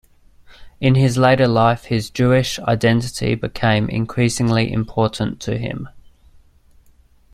In his later life, his Jewish identity became increasingly important to him.